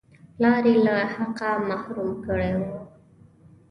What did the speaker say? پلار یې له حقه محروم کړی وو.